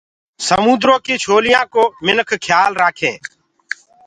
سموندرو ڪي لهرينٚ ڪو مِنک کيآل رآکينٚ۔